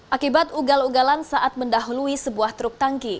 akibat ugal ugalan saat mendahului sebuah truk tangki